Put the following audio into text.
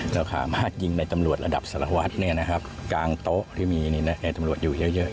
แล้วมากยิงในตำรวจระดับสละวัดกลางโต๊ะที่มีในตำรวจอยู่เยอะ